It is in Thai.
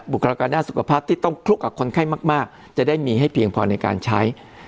การด้านสุขภาพที่ต้องคลุกกับคนไข้มากจะได้มีให้เพียงพอในการใช้